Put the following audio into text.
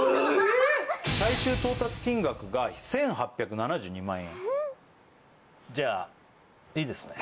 最終到達金額が１８７２万円じゃあいいですね？